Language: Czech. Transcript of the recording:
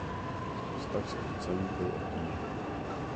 Vztah s otcem byl obtížný.